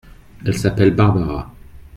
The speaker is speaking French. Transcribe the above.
Elle s’appelle Barbara.